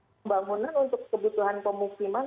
pembangunan untuk kebutuhan pemukiman